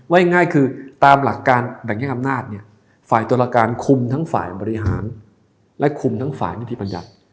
ง่ายคือตามหลักการแบ่งแยกอำนาจเนี่ยฝ่ายตุลาการคุมทั้งฝ่ายบริหารและคุมทั้งฝ่ายนิติบัญญัติ